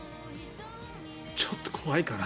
ちょっと怖いかな。